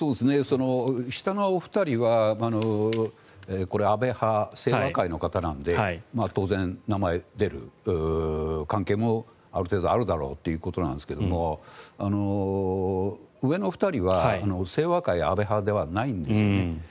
下のお二人は安倍派、清和会の方なので当然、名前が出る関係もある程度あるだろうということですが上の２人は、清和会安倍派ではないんですね。